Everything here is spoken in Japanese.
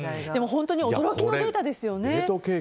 本当に驚きのデータですよね。